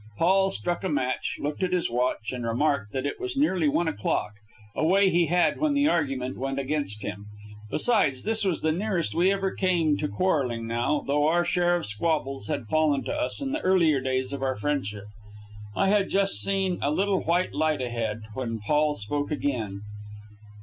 Paul struck a match, looked at his watch, and remarked that it was nearly one o'clock a way he had when the argument went against him. Besides, this was the nearest we ever came to quarreling now, though our share of squabbles had fallen to us in the earlier days of our friendship. I had just seen a little white light ahead when Paul spoke again.